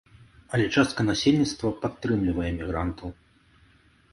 Але частка насельніцтва падтрымлівае мігрантаў.